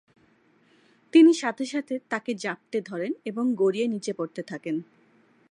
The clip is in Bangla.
তিনি সাথে সাথে তাকে জাপ্টে ধরেন এবং গড়িয়ে নিচে পড়তে থাকেন।